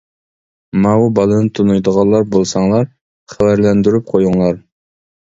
ماۋۇ بالىنى تونۇيدىغانلار بولساڭلار خەۋەرلەندۈرۈپ قويۇڭلار.